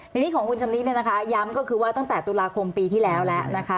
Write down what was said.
ทีนี้ของคุณชำนิดเนี่ยนะคะย้ำก็คือว่าตั้งแต่ตุลาคมปีที่แล้วแล้วนะคะ